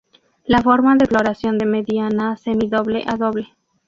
La forma de floración de mediana, semi-doble a doble.